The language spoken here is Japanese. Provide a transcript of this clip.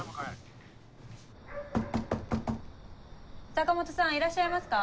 坂本さんいらっしゃいますか？